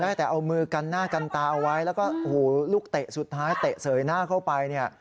ได้แต่เอามือกันหน้ากันตาเอาไว้แล้วก็โอ้โหลูกเตะสุดท้ายเตะเสยหน้าเข้าไปเนี่ย